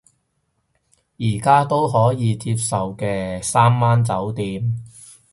而家都可以接受嘅，三晚酒店